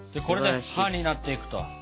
これでハになっていくと。